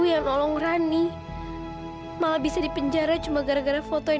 saya tim tat purpose ini agar kamu lebih useroto